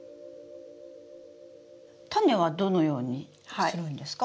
タネはどのようにするんですか？